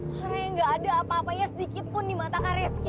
orang yang nggak ada apa apanya sedikit pun di mata kak rezki